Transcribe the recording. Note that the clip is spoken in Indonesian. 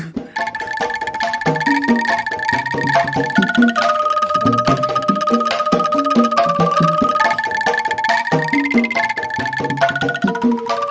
tentang berkorban bagko